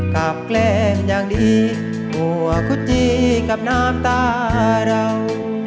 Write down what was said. กลับแกล้งอย่างดีหัวคุจจีกับน้ำตาเรา